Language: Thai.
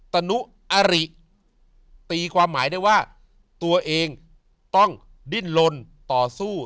ตนุอริตีความหมายได้ว่าตัวเองต้องดิ้นลนต่อสู้